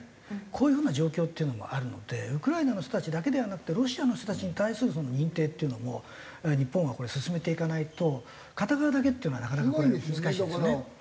こういう風な状況っていうのもあるのでウクライナの人たちだけではなくてロシアの人たちに対する認定っていうのも日本はこれ進めていかないと片側だけっていうのはなかなかこれは難しいんですね。